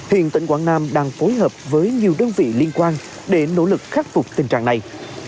hiện tỉnh quảng nam đang phối hợp với nhiều đơn vị liên quan để nỗ lực khắc phục tình trạng này